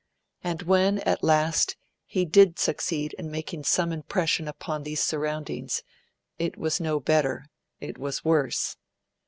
And when, at last, he did succeed in making some impression upon these surroundings, it was no better; it was worse.